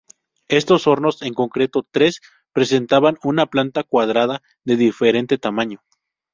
Estos hornos, en concreto tres, presentaban una planta cuadrada de diferente tamaño.